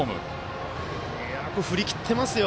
よく振り切ってますよ。